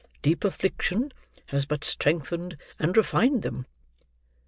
Deep affliction has but strengthened and refined them."